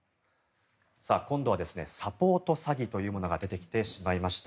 今度はサポート詐欺というものが出てきてしまいました。